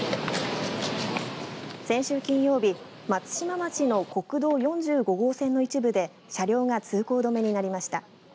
先週金曜日、松島町の国道４５号線の一部で車両が通行止めになりました。